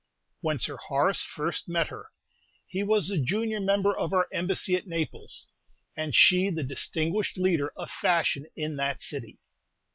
When Sir Horace first met her, he was the junior member of our Embassy at Naples, and she the distinguished leader of fashion in that city.